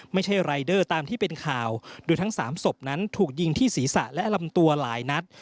ไม่ใช่รายเดอร์ตามที่เป็นข่าวโดยทั้งสามศพนั้นถูกยิงที่ศีรษะและลำตัวหลายนัด